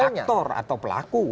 sebagai aktor atau pelaku